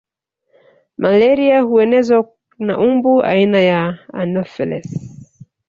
Malaria huenezwa na mbu aina ya Anofelesi